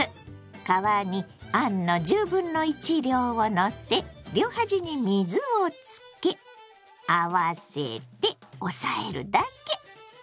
皮にあんの量をのせ両端に水をつけ合わせて押さえるだけ！